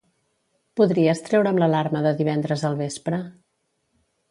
Podries treure'm l'alarma de divendres al vespre?